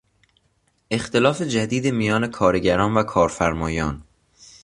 اختلاف جدید میان کارگران و کارفرمایان